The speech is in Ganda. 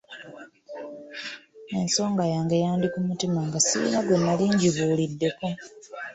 Ensonga yange yandi ku mutima nga sirina gwe nali ngibuuliddeko.